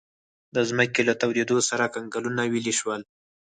د ځمکې له تودېدو سره کنګلونه ویلې شول.